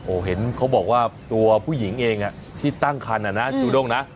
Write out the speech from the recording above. โอ้โหเห็นเขาบอกว่าตัวผู้หญิงเองที่ตั้งคันอ่ะนะจูด้งนะ